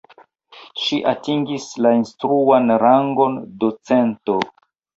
Ŝi atingis la instruan rangon docento.